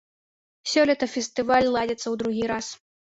Сёлета фестываль ладзіцца ў другі раз.